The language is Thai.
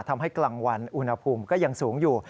กลางวันอุณหภูมิก็ยังสูงอยู่